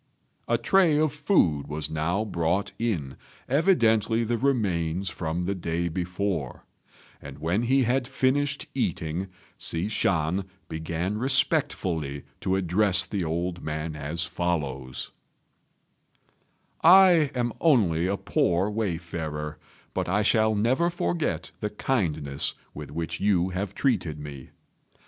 A tray of food was now brought in, evidently the remains from the day before; and when he had finished eating, Hsi Shan began respectfully to address the old man as follows: "I am only a poor wayfarer, but I shall never forget the kindness with which you have treated me.